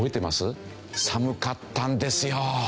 寒かったんですよ。